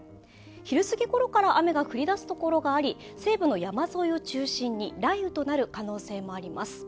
昼すぎころから雨が降り出すところがあり、西部の山沿いを中心に雷雨となる可能性もあります。